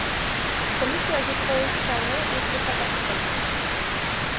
Komisja ze swojej strony jest gotowa i czeka